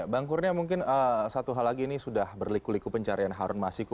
bang kurnia mungkin satu hal lagi ini sudah berliku liku pencarian harun masiku